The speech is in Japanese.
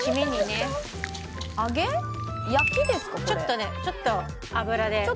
ちょっと油で。